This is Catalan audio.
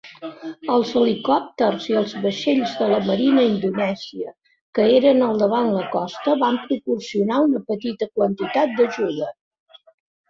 Els helicòpters i els vaixells de la marina indonèsia que eren davant la costa van proporcionar una petita quantitat d'ajuda.